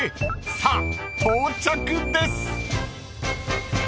［さあ到着です］